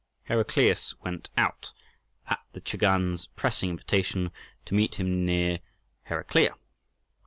Heraclius went out, at the Chagan's pressing invitation, to meet him near Heraclea.